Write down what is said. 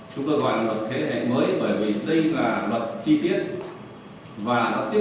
chúng tôi gọi là luật thế hệ mới